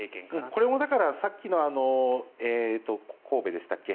これもさっきの神戸でしたっけ